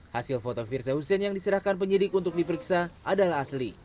hasil foto firza hussein yang diserahkan penyidik untuk diperiksa adalah asli